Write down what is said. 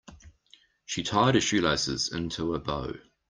She tied her shoelaces into a bow.